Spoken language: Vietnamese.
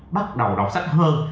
bắt đầu đọc sách hơn